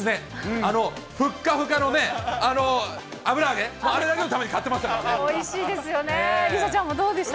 あのふっかふかのね、あの油揚げ、あれだけのために買っていました